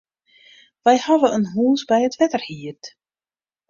Wy hawwe in hûs by it wetter hierd.